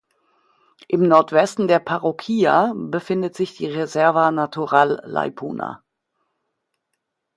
Im Nordwesten der Parroquia befindet sich die Reserva Natural Laipuna.